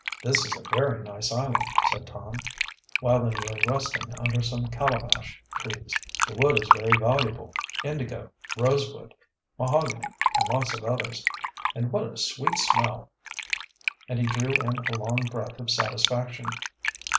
"This is a very nice island," said Tom, while they were resting under some calabash trees. "The wood is very valuable indigo, rosewood, mahogany, and lots of others. And what a sweet smell!" And he drew in a long breath of satisfaction.